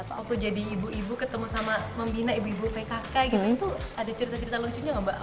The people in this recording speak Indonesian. waktu jadi ibu ibu ketemu sama membina ibu ibu pkk gitu itu ada cerita cerita lucunya nggak mbak